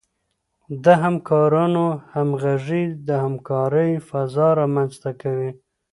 د همکارانو همغږي د همکارۍ فضا رامنځته کوي.